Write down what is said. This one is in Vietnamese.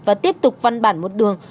và tiếp tục văn bản một đường